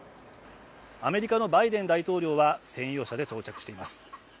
アメリカのバイデン大統領は専用車で到着しています。